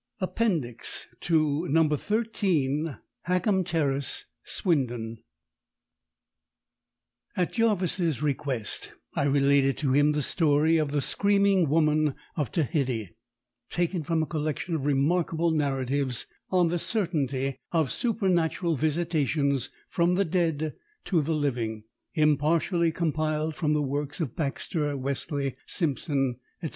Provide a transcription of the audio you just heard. APPENDIX TO NO. HACKHAM TERRACE, SWINDON At Jarvis's request, I related to him the story of "The Screaming Woman of Tehiddy," taken from a collection of remarkable narratives on the certainty of supernatural visitations from the dead to the living, impartially compiled from the works of Baxter, Wesley, Simpson, &c.